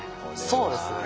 そうですね。